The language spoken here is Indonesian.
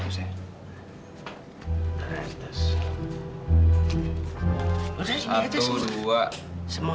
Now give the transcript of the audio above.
udah sini aja semua